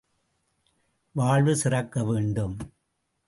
வாழ்வு சிறக்க வேண்டும்!